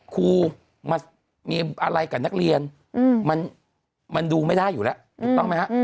ครูมามีอะไรกับนักเรียนมันดูไม่ได้อยู่แล้วถูกต้องไหมฮะ